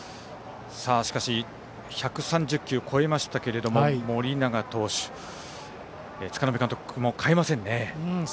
しかし、１３０球を超えましたけれども、盛永投手柄目監督も代えませんね。